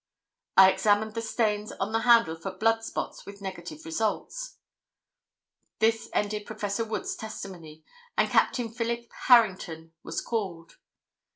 "I examined the stains on the handle for blood spots with negative results." This ended Prof. Wood's testimony and Captain Philip Harrington was called.